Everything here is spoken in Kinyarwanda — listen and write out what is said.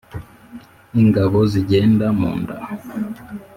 ingabo zigenda mu nda